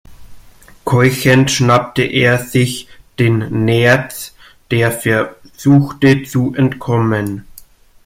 Keuchend schnappte er sich den Nerz, der versuchte zu entkommen.